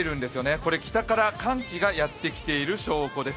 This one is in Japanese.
これ北から寒気がやってきている証拠です。